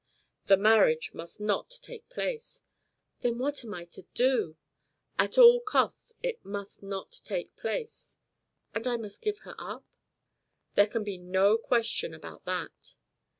"The marriage must not take place." "Then what am I to do?" "At all costs it must not take place." "And I must give her up?" "There can be no question about that."